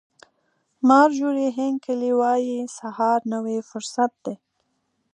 مارجوري هینکلي وایي سهار نوی فرصت دی.